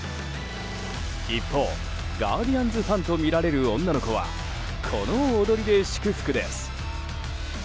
一方、ガーディアンズファンとみられる女の子はこの踊りで祝福です。